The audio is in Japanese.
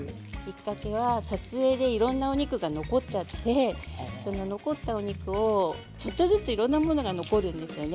撮影でいろんなお肉が残ってしまって残ったお肉、ちょっとずついろんなものが残るんですよね。